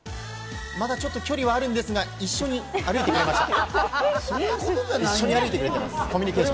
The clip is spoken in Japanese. まだちょっと距離はあるんですけれども、一緒に歩いてくれました。